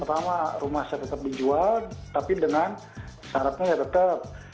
pertama rumah saya tetap dijual tapi dengan syaratnya ya tetap